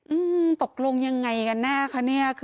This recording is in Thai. อืมตกลงยังไงกันหน้าครับเนี่ย